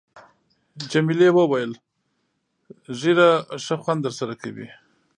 جميلې وويل:، ږیره ښه خوند در سره کوي.